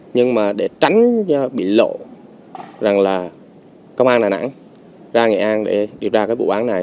nhưng mà để tránh bị lộ rằng là công an đà nẵng ra nghệ an để điều tra cái vụ án này